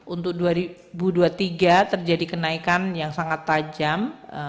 untuk dua ribu dua puluh tiga terjadi kenaikan yang sangat tajam